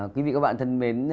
quý vị các bạn thân mến